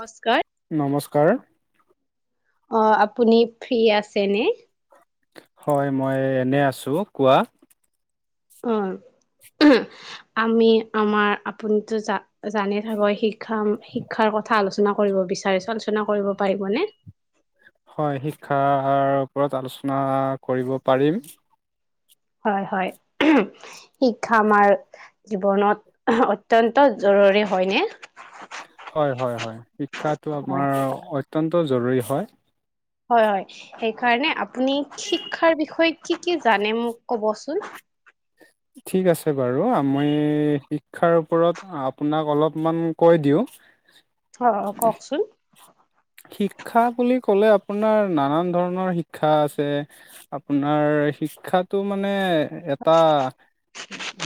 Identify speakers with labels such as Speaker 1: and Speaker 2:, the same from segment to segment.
Speaker 1: নমস্কাৰ
Speaker 2: নমস্কাৰ।
Speaker 1: অ', আপুনি ফ্ৰী আছে নে?
Speaker 2: হয়, মই এনে আছো কোৱা।
Speaker 1: অ'। আমি আমাৰ আপুনিতো জা-জানে থাকো শিক্ষা শিক্ষাৰ কথা আলোচনা কৰিব বিচাৰিছো আলোচনা কৰিব পাৰিব নে?
Speaker 2: হয়, শিক্ষাৰ ওপৰত আলোচনা কৰিব পাৰিম।
Speaker 1: হয়, হয় শিক্ষা আমাৰ জীৱনত অত্যন্ত জ ৰৰে হয় নে?
Speaker 2: হয়, হয়, হয় শিক্ষাটো
Speaker 1: হয়
Speaker 2: আমাৰ অত্যন্ত জৰুৰী হয়।
Speaker 1: হয়, হয় সেইকাৰণে আপুনি শিক্ষাৰ বিষয়ে কি কি জানে মোক ক'বচোন।
Speaker 2: ঠিক আছে বাৰু মই শিক্ষাৰ ওপৰত আপোনাক অলপমান কৈ দিওঁ।
Speaker 1: অ', কওঁকচোন।
Speaker 2: শিক্ষা বুলি ক'লে আপোনাৰ নানান ধৰণৰ শিক্ষা আছে আপোনাৰ শিক্ষাটো মানে এটা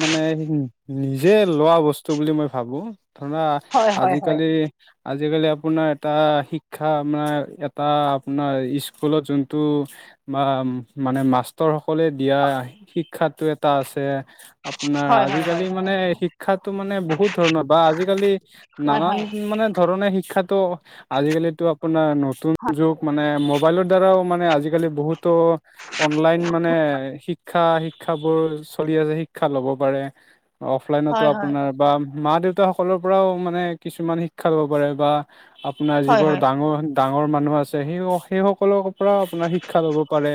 Speaker 2: মানে নিজে লোৱা বস্তু বুলি মই ভাবো। ধৰা
Speaker 1: হয়
Speaker 2: আজিকালি আজিকালি আপোনাৰ এটা শিক শিক্ষা মে, এটা আপোনাৰ স্কুলত যোনটো বা মানে মাষ্টৰ সকলে দিয়া শিক্ষাতো এটা আছে। আপোনাৰ আজিকালি মানে শিক্ষাটো মানে বহুত ধৰণৰ বা আজিকালি
Speaker 1: হয়
Speaker 2: নানান মানে ধৰণে শিক্ষাটো আজিকালি আপোনাৰ নতুন
Speaker 1: হয়
Speaker 2: যুগ মানে মোবাইলৰ দ্বাৰাও মানে আজিক আজিকালি বহুতো অনলাইন মানে শিক্ষা, শিক্ষাবোৰ চলি আছে। শিক্ষা ল'ব পাৰে অফলাইনতো
Speaker 1: হয়
Speaker 2: আপোনাৰ বা মা, দেউতা সকলৰ পৰাও মানে কিছুমান শিক্ষা ল'ব পাৰে বা আপোনাৰ
Speaker 1: হয়
Speaker 2: যিবোৰ‌
Speaker 1: হয়
Speaker 2: ডাঙৰ মানুহ আছে সেই, স, সেই সকলৰ পৰাও আপোনাৰ শিক্ষা ল'ব পাৰে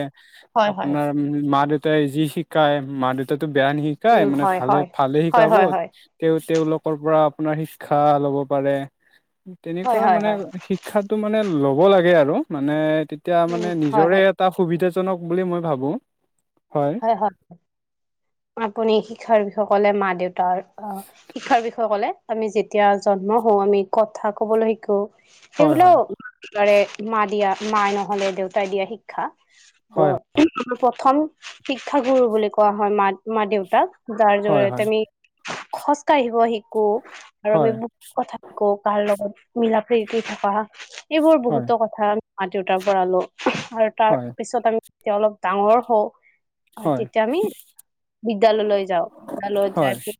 Speaker 1: হয় হয়
Speaker 2: আপোনাৰ মা, দেউতাই যি শিকাই মা, দেউতাক‌ টো বেয়া নশিকাই
Speaker 1: উম
Speaker 2: মানে
Speaker 1: হয় উম হয়
Speaker 2: ভালে
Speaker 1: হয়
Speaker 2: ভালে
Speaker 1: হয়
Speaker 2: শিকাব
Speaker 1: হয় হয়
Speaker 2: তেওঁ তেওঁলোকৰ পৰা আপোনাৰ শিক্ষা ল'ব পাৰে
Speaker 1: হয়
Speaker 2: তেনেকুৱা
Speaker 1: হয়
Speaker 2: মানে।
Speaker 1: হয়
Speaker 2: শিক্ষাটো মানে লবলাগে আৰু মানে তেতিয়া মানে
Speaker 1: উম হয় হয়
Speaker 2: নিজৰে এটা সুবিধা জনক বুলি মই ভাবোঁ।
Speaker 1: হয়, হয়, আপুনি শিক্ষাৰসকলে মা, দেউত তাৰ অ, শিক্ষাৰ বিষয়ে ক'লে আমি যেতিয়া জন্ম হওঁ আমি কথা কবলৈ শিকো।
Speaker 2: হয় হয়
Speaker 1: সগুলাওাৰে মা দিয়া মায় নহলে দেউতাই দিয়া শিক্ষা। অ,
Speaker 2: হয়
Speaker 1: আমাৰ প্ৰথম শিক্ষাগুৰু বুলি কোৱা হয় মা, মা, দেউতাক। যাৰ
Speaker 2: হয়
Speaker 1: জৰিয়তে
Speaker 2: হয়
Speaker 1: আমি খোজ কাঢ়িব শিকো আৰু আমি
Speaker 2: হয়
Speaker 1: বু, কথা শিকো। কাৰ লগত মিলা, প্ৰীতি কৰি থাকা এইবোৰ
Speaker 2: হয়
Speaker 1: বহুতো কথা মা, দেউতাৰ পৰা লওঁ। আৰু তাৰ
Speaker 2: হয়
Speaker 1: পিছত আমি তেতিয়া অলপ ডাঙৰ হওঁ
Speaker 2: হয়
Speaker 1: তেতিয়া আমি বিদ্যালয়লৈ যাওঁ বিদ্যালয়ত
Speaker 2: হয়
Speaker 1: যাই পি,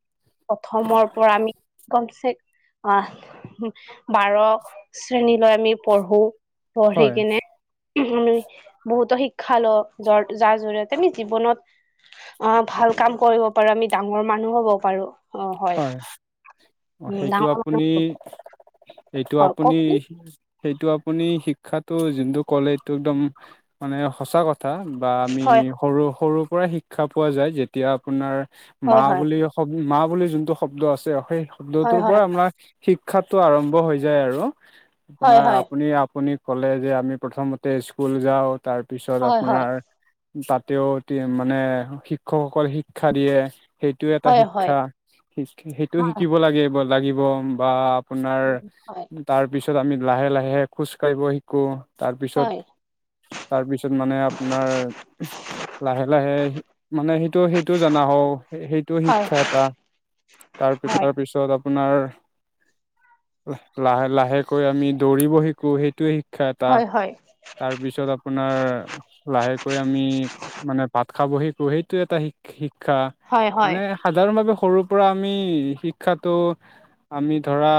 Speaker 1: প্ৰথমৰ পৰা আমি গমচে অ, বাৰ শ্ৰেণীলৈ আমি পঢ়ো। পঢ়ি
Speaker 2: হয়
Speaker 1: কিনে আমি বহুতো শিক্ষা লওঁ য, যাৰ, জৰিয়ত আমি জীৱনত অ, ভাল কাম কৰিব পাৰো। আমি ডাঙৰ মানুহ হ'ব পাৰো।
Speaker 2: হয়, অ,
Speaker 1: উম
Speaker 2: সেইটো
Speaker 1: ডাঙৰ
Speaker 2: আপুনি
Speaker 1: মানুহ
Speaker 2: এইটো
Speaker 1: অ
Speaker 2: আপুনি
Speaker 1: কওকচোন
Speaker 2: সেইটো আপুনি শিক্ষাটো যোনটো ক'লে এইটো একদম মানে সঁচা কথা। কথা বা আমি
Speaker 1: হয়
Speaker 2: সৰু, সৰুৰ পৰাই শিক্ষা পোৱা যায় যেতিয়া আপোনাৰ মা
Speaker 1: হয় হয়
Speaker 2: বুলি শব, মা, বুলি যোনটো শব্দ আছে, সেই
Speaker 1: হয়
Speaker 2: শব্দটোৰ পৰাই আমাৰ শিক্ষাত টো, আৰম্ভ হৈ যায় আৰু
Speaker 1: হয়
Speaker 2: আপোনাৰ
Speaker 1: হয়
Speaker 2: আপুনি, আপুনি ক'লে যে আমি প্ৰথমতে স্কুল যাওঁ তাৰপিছত
Speaker 1: হয় হয়
Speaker 2: আপোনাৰ তাতেও মানে শিক্ষকসক, শিক্ষা দিয়ে সেইটোও এটা
Speaker 1: হয় হয়
Speaker 2: শিক্ষা। সেইটো
Speaker 1: হয়
Speaker 2: শিকিব লাগে লাগিব বা আপোনাৰ
Speaker 1: হয় হয়
Speaker 2: তাৰ পিছত তাৰপিছত আমি লাহে, লাহে খজকাঢ়িব শিকো। তাৰপিছত,
Speaker 1: হয়
Speaker 2: তাৰপিছত মানে আপোনাৰ লাহে, লাহে মানে সেইটো, সেইটো জনা হও সেইটো শিক্ষা এটা তাৰ, তাৰপিছত আপোনাৰ লাহে, লাহেকৈ আমি দৌৰিব শিকো সেইটোয়ে শো শিক্ষা এটা
Speaker 1: হয় হয় হয় হয়
Speaker 2: তাৰপিছত আপোনাৰ লাহেক [unintelligible] আমি মানে ভাত খাব শিকো, সেইটো এটা শি-শিক্ষা
Speaker 1: হয় হয়
Speaker 2: মানে সাধাৰণ ভাৱে সৰু পৰা আমি শিক্ষাটো আমি ধৰা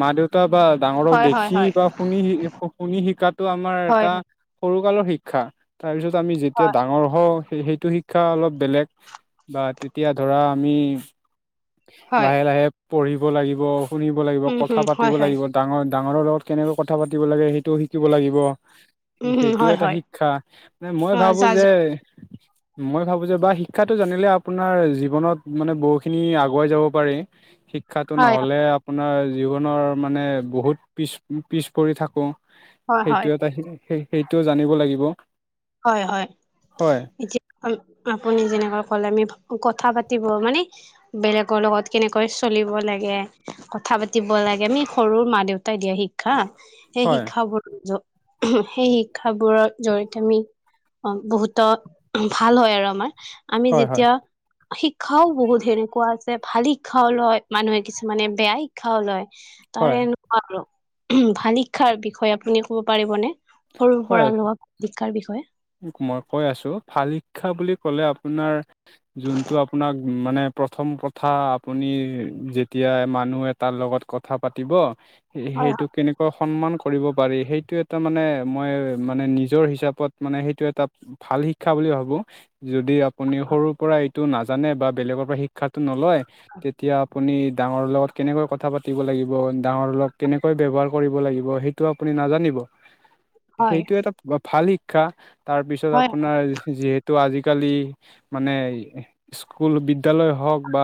Speaker 2: মা, দেউতা বা ডাঙৰক
Speaker 1: হয় হয় হয় হয়
Speaker 2: দেখি বা শুনি শ, শুনি, শিকাতো আমাৰ এটা
Speaker 1: হয়
Speaker 2: সৰু কালৰ শিক্ষা তাৰ পিছত আমি যেতিয়া ডাঙৰ হ সেইটো শিক্ষা অলপ বেলেগ বা তেতিয়া ধৰা আমি
Speaker 1: হয়
Speaker 2: লাহে, লাহে পঢ়িব লাগিব, শুনিব লাগিব
Speaker 1: উম,
Speaker 2: কথা
Speaker 1: হুম, হয়,
Speaker 2: পাতিব
Speaker 1: হয়।
Speaker 2: লাগিব, ডাঙৰ ডাঙৰৰ লগত কেনেকৈ কথা পাতিব লাগে, সেইটোও শিকিব লাগিব।
Speaker 1: উম, হুম,
Speaker 2: সেইটোও
Speaker 1: হয়,
Speaker 2: এটা
Speaker 1: হয়।
Speaker 2: শিক্ষা মানে মই
Speaker 1: অ',
Speaker 2: ভাবো
Speaker 1: জা-জ
Speaker 2: যে মই ভাবো যে বা শিক্ষাটো জানিলে আপোনাৰ জীৱনত মানে বহুখিনি আগ আগোৱাই যাব পাৰি শিক্ষাটো
Speaker 1: হয়,
Speaker 2: নহলে আপোনাৰ জীৱনৰ মানে বহুত পিছ, পিছ পৰি থাকো
Speaker 1: হয়, হয়,
Speaker 2: সেইটো এটা সেই সেইটো জানিব লাগিব।
Speaker 1: হয়, হয়।
Speaker 2: হয়
Speaker 1: এতিয়া আপুনি যেনেকৈ কলে আমি কথা পাতিব মানে, বেলেগৰ লগত কেনেকৈ চলিব লাগে, কথা পাতিব লাগে, আমি সৰু মা দেউতাই দিয়া শিক্ষা সেই
Speaker 2: হয়
Speaker 1: শিক্ষাবোৰ, সেই শিক্ষাবোৰৰ জৰিয়তে আমি অ', বহুত ভাল হয় আৰু আমাৰ, আমি
Speaker 2: হয় হয়
Speaker 1: যেতিয়া শিক্ষাওঁ বহুত সেনেকুৱা আছে, ভাল শিক্ষাওঁ লয় মানুহে, কিছুমানে বেয়া শিক্ষাওঁ লয়। তাৰে
Speaker 2: হয়
Speaker 1: এনেকুৱা আৰু, ভাল শিক্ষাৰ বিষয়ে আপুনি ক'ব পাৰিবনে? সৰুৰ পৰা
Speaker 2: হয়
Speaker 1: লোৱা শিক্ষাৰ বিষয়ে।
Speaker 2: মই কৈ আছো, ভাল শিক্ষা বুলি ক'লে আপোনাৰ, যোনটো আপোনাক মানে প্ৰথম প্ৰথম প্ৰথা আপুনি যেতিয়া মানুহ এটাৰ লগত কথা পাতিব
Speaker 1: হয়
Speaker 2: সে-সেইটো কেনেকোৱা সন্মান কৰিব পাৰি, সেইটো এটা মানে মই মানে নিজৰ হিচাপত মানে সেইটো এটা ভাল শিক্ষা বুলি ভাবো। যদি আপুনি সৰুৰ পৰা এইটো নাজানে বা বেলেগৰ পৰা শিক্ষাটো নলয়, তেতিয়া আপুনি ডাঙৰৰ লগত কেনেকৈ কথা পাতিব লাগিব, ডাঙৰৰ লগত কেনেকৈ ব্যৱহাৰ কৰিব লাগিব, সেইটো আপুনি নাজানিব।
Speaker 1: হয়
Speaker 2: সেইটো এটা ভাল শিক্ষা। তাৰপিছত
Speaker 1: হয়
Speaker 2: আপোনাৰ যিহেতু আজি কালি মানে স্কুল বিদ্যালয় হওঁক বা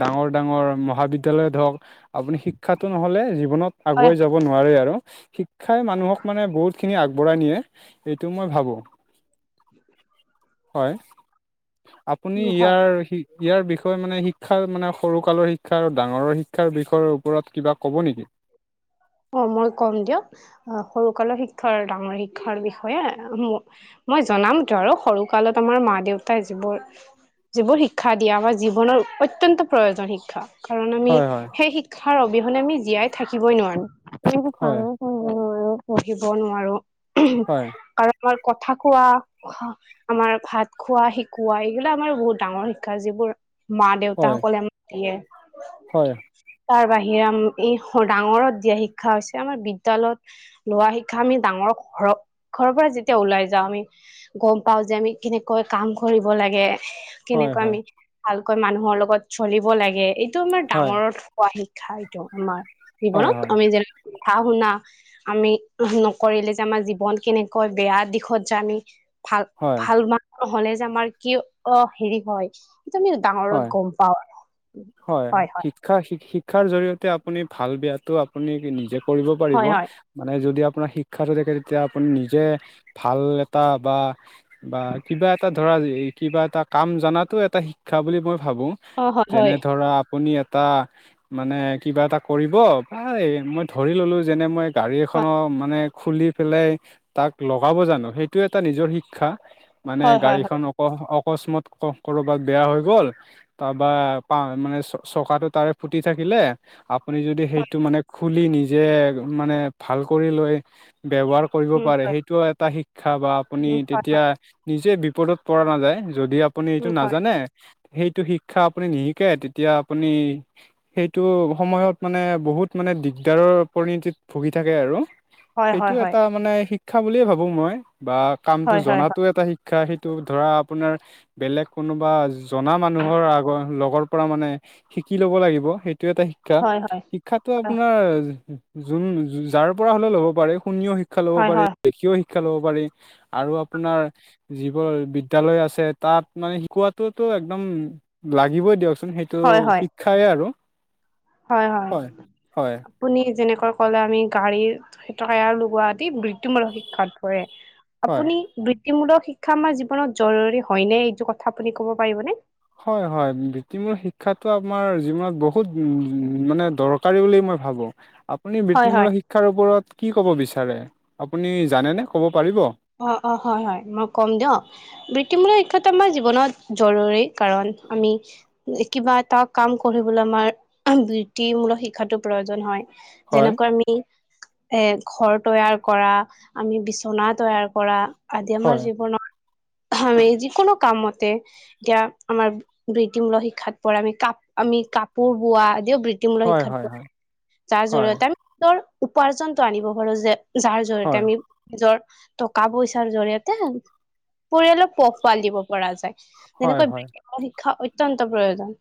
Speaker 2: ডাঙৰ ডাঙৰ মহাবিদ্যালয়ত হওঁক, আপুনি শিক্ষাতো নহলে জী ৱনত
Speaker 1: হয়
Speaker 2: আগুৱাই যাব নোৱাৰে আৰু শিক্ষাই মানুহক মানে খিনি আগবঢ়াই নিয়ে, এইটো মই ভাবো।
Speaker 1: [inaudible]
Speaker 2: হয়, আপুনি
Speaker 1: হয় হয়
Speaker 2: ইয়াৰ সি ইয়াৰ বিষয়ে মানে শিক্ষাৰ মানে সৰু কালৰ শিক্ষা আৰু ডাঙৰৰ শিক্ষাৰ বিষয়ৰ ওপৰত কিবা ক'ব নেকি?
Speaker 1: [inaudible] অ', মই কম দিয়ক, সৰুকালৰ শিক্ষাৰ, ডাঙৰ শিক্ষাৰ বিষয়ে ম মই জনামতো আৰু সৰু কালত আমাৰ মা দেউতাই যিবোৰ যিবোৰ শিক্ষা দিয়া হয়, জীৱনৰ অত্যন্ত প্ৰয়োজন শিক্ষা। কাৰণ আমি
Speaker 2: হয় হয়
Speaker 1: সেই শিক্ষাৰ অবিহনে আমি জীয়াই থাকিবই নোৱাৰো। [unintelligible] কামো কৰিব
Speaker 2: হয়
Speaker 1: নোৱাৰো, পঢ়িব নোৱাৰো,
Speaker 2: হয়
Speaker 1: কাৰ আমাৰ কথা কোৱা, আমাৰ ভাত খোৱা শিকোৱা, এইগিলা আমাৰ বহুত ডাঙৰ শিক্ষা যিবোৰ মা
Speaker 2: হয়
Speaker 1: দেউতাসকলে আমাক দিয়ে।
Speaker 2: হয়।
Speaker 1: তাৰ বাহিৰে, এই ডাঙৰত দিয়া শিক [unintelligible] হৈছে আমাৰ বিদ্যালয়ত লোৱা শিক্ষা আমি ডাঙৰ, ঘৰ-ঘৰৰ পৰা যেতিয়া ওলাই যাওঁ আমি গম পাওঁ যে আমি কেনেকৈ কাম কৰিব লাগে।
Speaker 2: হয়
Speaker 1: কেনেকৈ
Speaker 2: হয়
Speaker 1: আমি ভালকৈ মানুহৰ লগত চলিব লাগে, এইটো আমাৰ
Speaker 2: হয়
Speaker 1: ডাঙৰত হোৱা শিক [unintelligible] আমাৰ
Speaker 2: হয়
Speaker 1: জীৱনত আমি যেনে কথা শুনা আমি নকৰিলে যে আমাৰ জীৱন কেনেকৈ বেয়া দিশত যে আমি ভাল,
Speaker 2: হয়
Speaker 1: ভাল মানুহ হলে যে আমাৰ কি অ', হেৰি হয় [unintelligible]
Speaker 2: হয়
Speaker 1: ডাঙৰত গম পাওঁ আৰু, হয়, হয়।
Speaker 2: শিক্ষা শিক- শিক্ষাৰ জৰিয়তে আপুনি ভাল বেয়াটো আপুনি নিজে কৰিব পাৰিব।
Speaker 1: হয় হয়
Speaker 2: মানে যদি আপোনাৰ শিক্ষাটো দেখে তেতিয়া আপুনি নিজে ভাল এটা বা, বা কিবা এটা ধৰা এই কিবা এটা কাম জনাতো এটা শিক্ষা বুলি মই ভাবো।
Speaker 1: অ হয়
Speaker 2: যেনে
Speaker 1: হয়
Speaker 2: ধৰা আপুনি এটা মানে কিবা এটা কৰিব, পাই মই ধৰি ললো যেনে মই গাড়ী এখনৰ মানে খুলি পেলাই তাক লগাব জানো, সেইটো এটা নিজৰ শিক্ষা। মানে
Speaker 1: হয় হয় হয় হয়
Speaker 2: গাড়ীখন অক-অকস্মত কৰ'বাত বেয়া হৈ গল, তাৰপা পা মানে চকাটো তাৰে ফুটি থাকিলে আপুনি যদি সেইটো মানে খুলি নিজে, মানে ভাল কৰি লৈ ব্যৱহাৰ কৰিব
Speaker 1: উম
Speaker 2: পাৰে
Speaker 1: হয়
Speaker 2: সেইটো এটা শিক্ষা বা আপুনি
Speaker 1: উম হয়
Speaker 2: তেতিয়া
Speaker 1: হয়
Speaker 2: নিজে পৰা নাযায় যদি আপুনি এইটো
Speaker 1: উম
Speaker 2: ন
Speaker 1: হয়
Speaker 2: সেইটো শিক্ষা আপুনি নিশিকে তেতিয়া আপুনি সেইটো সময়ত মানে বহুত মানে দিগদাৰৰ পৰিণতিত ভুগি থাকে আৰু।
Speaker 1: হয়
Speaker 2: সেইটো
Speaker 1: হয় হয়
Speaker 2: এটা মানে শিক্ষা বুলিয়ে ভাবো মই বা কামটো
Speaker 1: হয় হয়
Speaker 2: জনাতো এটা শিক্ষা। শিক্ষা সেইটো ধৰা আপোনাৰ বেলেগ কোনোবা জনা মানুহৰ আগৰ লগৰ পৰা মানে শিকি ল'ব লাগিব সেইটো। এই এটা শিক্ষা
Speaker 1: হয় হয় হয়
Speaker 2: শিক্ষাতটো আপোনাৰ যোন যাৰ পৰা হ'লে ল'ব পাৰে। শুনিও শিক্ষা ল'ব
Speaker 1: হয়
Speaker 2: পাৰে
Speaker 1: হয়
Speaker 2: দেখীয় শিক্ষা শিক্ষা ল'ব পাৰি আৰু আপোনাৰ যিবোৰ বিদ্যালয় আছে তাত মানে কোৱাটোতো একদম লাগিবই দিয়কচোন সেইটো
Speaker 1: হয় হয়
Speaker 2: শিক্ষাই আৰু।
Speaker 1: হয়, হয় আপুনি যেনে ক'লে আমি গাড়ীৰ তায়াৰ লগোৱা আদি বৃত্তিমূলক শিক্ষাত পৰে।
Speaker 2: হয়
Speaker 1: আপুনি বৃত্তিমূলক শিক্ষা আমাৰ জীৱনত জৰুৰী হয় নে এইটো কথা আপুনি কব পাৰিবনে?
Speaker 2: হয় হয় বৃত্তিমূল শিক্ষাটো আমাৰ জীৱনত বহুত উ-মানে দৰকাৰী বুলি ম মই ভাবো। আপুনি
Speaker 1: হয় হয়
Speaker 2: বৃত্তিমূলক শিক্ষাৰ ওপৰত কি ক'ব বিচাৰে আপুনি জানেনে ক'ব পাৰিব?
Speaker 1: অ', অ', হয় হয় মই ক'ম দিয় বৃত্তিমূলক শিক্ষাটো আমাৰ জীৱনত জৰুৰী। কাৰণ আমি কিবা এটা কাম কৰিবলৈ আমাৰ বৃত্তিমূলক শিক্ষাতো প্ৰয়োজন হয়।
Speaker 2: হয়
Speaker 1: যেনেকৈ আমি এ ঘৰ তৈয়াৰ কৰা আমি বিচনা তৈয়াৰ পৰা আদি আমাৰ
Speaker 2: হয়
Speaker 1: জীৱনত আমি যিকোনো কামতে এতিয়া আমাৰ বৃত্তিমূল শিক্ষাত পৰা আমি কাপ আমি কাপোৰ বোৱা। ইও বৃত্তিমূলক
Speaker 2: হয়
Speaker 1: শিক্ষাত
Speaker 2: হয়
Speaker 1: পৰে।
Speaker 2: হয়
Speaker 1: যাৰ
Speaker 2: হয়
Speaker 1: জৰিয়তে আমি নিজৰ উপাৰ্জনটো আনিব পাৰো যে যাৰ জৰিয়তে
Speaker 2: হয়
Speaker 1: আমি নিজৰ টকা পইচাৰ জৰিয়তে পৰিয়ালক পোহ পাল দিব পৰা যায়।
Speaker 2: হয়
Speaker 1: যেনেকৈ
Speaker 2: হয়
Speaker 1: শিক্ষা অত্যন্ত প্ৰয়োজন।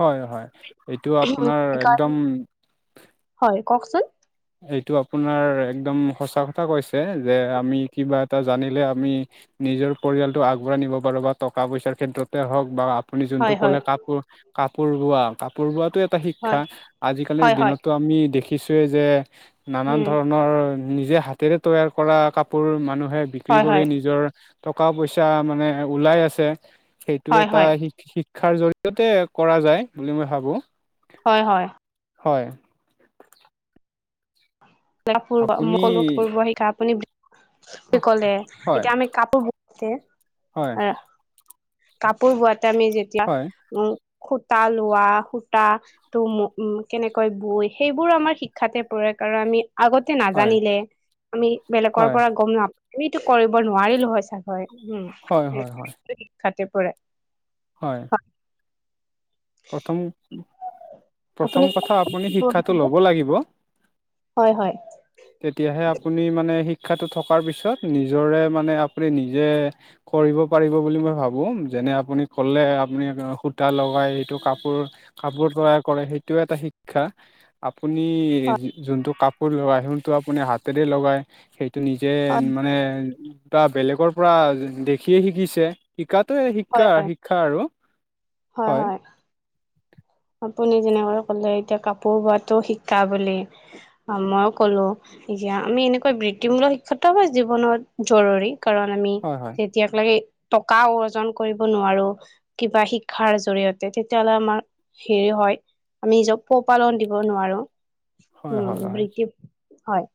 Speaker 2: হয়, হয় এইটো আপোনাৰ একদম
Speaker 1: সেইকাৰণে হয়, কওকচোন।
Speaker 2: এইটো আপোনাৰ একদম সঁচা কথা কৈছে যে আমি কিবা এটা জানিলে আমি নিজৰ পৰিয়ালটোক আগবঢ়াই নিব পাৰো বা টকা পইচাৰ ক্ষেত্ৰতে হওঁক বা আপুনি যোনটো
Speaker 1: হয় হয়
Speaker 2: ক'লে কাপোৰ কাপোৰ বোৱা কাপোৰ বোৱাতো শিক্ষা
Speaker 1: হয়
Speaker 2: আজিকালিৰ
Speaker 1: হয় হয়
Speaker 2: দিনতো আমি দেখিছোয়ে যে নানান
Speaker 1: উম
Speaker 2: ধৰণৰ নিজে হাতেৰে তৈয়াৰ কৰা কাপোৰ মানুহে বিক্ৰী
Speaker 1: হয়
Speaker 2: কৰি
Speaker 1: হয়
Speaker 2: নিজৰ টকা পইচা মানে ওলাই আছে সেইটো
Speaker 1: হয়
Speaker 2: এটা
Speaker 1: হয়
Speaker 2: শিক্ষাৰ জৰিয়তে কৰা যায় বুলি মই ভাবো।
Speaker 1: হয়, হয়।
Speaker 2: হয়। আপুনি
Speaker 1: [unintelligible] শিকা আপুনি কি ক'লে
Speaker 2: হয়
Speaker 1: এতিয়া আমি কাপোৰ
Speaker 2: হয়
Speaker 1: [unintelligible] কাপোৰ বোৱাতে আমি যেতিয়া
Speaker 2: হয়
Speaker 1: উম সুতা লোৱা সুতা টো উম কেনেকৈ বৈ সেইবোৰ আমাৰ শিক্ষাতে পৰে। কাৰণ আমি আগতে
Speaker 2: হয়
Speaker 1: নাজানিলে আমি বেলেগৰ
Speaker 2: হয়
Speaker 1: পৰা গম নাপ আমিতো কৰিব নোৱাৰিলো হয় চাগৈ। উম,
Speaker 2: হয় হয় হয়
Speaker 1: সেইটোতো শিক্ষাতে পৰে।
Speaker 2: হয়। প্ৰথম
Speaker 1: আপুনি
Speaker 2: প্ৰথম কথা আপুনি শিক্ষাটো ল'ব লাগিব।
Speaker 1: হয় হয়
Speaker 2: তেতিয়াহে আপুনি মানে শিক্ষাটো থকাৰ পিছত নিজৰে মানে আপুনি নিজে কৰিব পাৰিব বুলি মই ভাবো যে। যেনে আপুনি ক'লে আপুনি সূতা লগাই কাপোৰ কাপোৰ তৈয়াৰ কৰে সেইটো এটা শিক্ষা আপুনি যোন কাপোৰ লগ আপুনি হাতেৰে লগাই নিজে
Speaker 1: হয়
Speaker 2: মানে দুটা বেলেগৰ পৰা দেখিয়ে শিকিছে শিক্ষাতোৱে শিক্ষা
Speaker 1: হয় হয়
Speaker 2: শিক্ষা আৰু হয়
Speaker 1: আপুনি যেনেকৈ ক'লে এতিয়া কাপোৰ বোৱাাতটো শিকা বুলি মইও ক'লো আমি এনেকৈ বৃত্তিমূলক শিক্ষা জীৱনত জৰুৰী কাৰণ আমি
Speaker 2: হয় হয়
Speaker 1: তেতিয়াক লাগে টকা অৰ্জন কৰিব নোৱাৰো কিবা শিক্ষাৰ জৰিয়তে তেতিয়াাহ'লে আমাৰ হেৰি হয় আমি নিজ পোহপালন দিব নোৱাৰো
Speaker 2: হয়
Speaker 1: উম
Speaker 2: হয় হয়
Speaker 1: বৃত্তি হয়।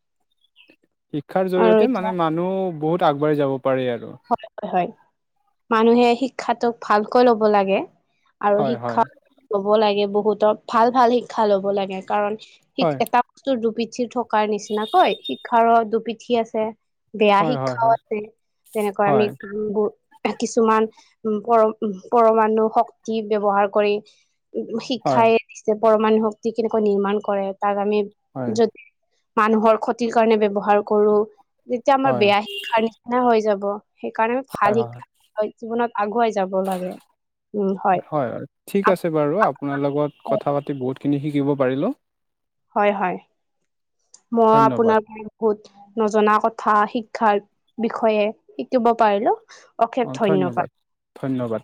Speaker 2: শিক্ষাৰ
Speaker 1: আৰু
Speaker 2: জৰিয়তে মানে
Speaker 1: এতিয়া
Speaker 2: মানুহ বহুত আগবাঢ়ি যাব পাৰি আৰু
Speaker 1: হয় হয় হয় মানুহে শিক্ষাটোক ভালকৈ ল'ব লাগে আৰু
Speaker 2: হয় হয়
Speaker 1: শিক্ষা লব লাগে বহুতৰ ভাল ভাল শিক্ষা ল'ব লাগে কাৰণ শিক
Speaker 2: হয়
Speaker 1: এটা বস্তুৰবি পিঠিৰ থকাৰ নিচিনাাকৈ শিক্ষাৰ দুপিঠি আছে বেয়া
Speaker 2: হয়
Speaker 1: শিক্ষাও
Speaker 2: হয়
Speaker 1: আছে যেনেকৈ আমি
Speaker 2: হয়
Speaker 1: কামবোৰ কিছুমান পৰ পৰমণু শক্তি ব্য্ৱহাৰ কৰি
Speaker 2: হয় হয়
Speaker 1: শিক্ষাই দিছে পৰমণু শক্তি কেনেকৈ নিৰ্মাণ কৰে তাক আমি
Speaker 2: হয়
Speaker 1: যদি মানুহৰ ক্ষতিৰ কাৰণে ব্য্ৱহাৰ কৰো তেতিয়া আমাৰ
Speaker 2: হয়
Speaker 1: বেয়া শিক্ষাৰ নিচিনা হৈ যাব সেইকাৰণে
Speaker 2: হয়
Speaker 1: ভাল
Speaker 2: হয়
Speaker 1: শিক্ষা জীৱনত আগুৱাই যাব লাগে
Speaker 2: হয় হয় ঠিক আছে বাৰু আপোনাৰ লগত কথা পাতি বহুত খিনি শিকিব পাৰিলো
Speaker 1: হয় হয় মই
Speaker 2: ধন্যবাদ
Speaker 1: আপোনাৰ পৰা বহুত নজনা কথা শিক্ষাৰ বিষয়ে শিকিব পাৰিলো অশেষ ধন্যবাদ
Speaker 2: ধন্যবাদ।